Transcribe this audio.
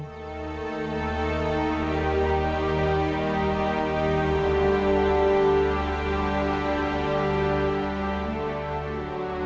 โปรดติดตามตอนต่อไป